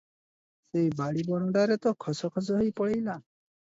ସେଇ ବାଡ଼ି ବଣଟାରେ ତ ଖସ ଖସ ହୋଇ ପଲେଇଲା ।